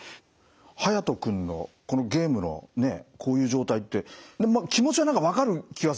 ハヤト君のゲームのこういう状態って気持ちは何か分かる気はするんですよね。